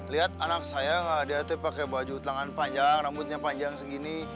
lihat anak saya enggak dia itu pakai baju tangan panjang rambutnya panjang segini